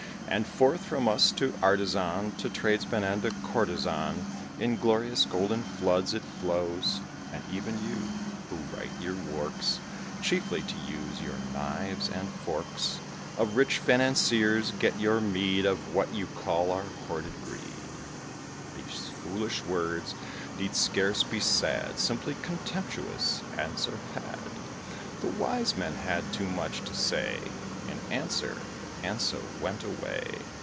And forth from us to artisan, To tradesman and to courtesan, In glorious golden floods it flows. And even you, who write your works Chiefly to use the knives and forks Of rich financiers, get your meed Of what you call our hoarded greed." These foolish words, need scarce be said, Simply contemptuous answer had. The wise man had too much to say In answer, and so went away.